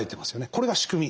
これが仕組み。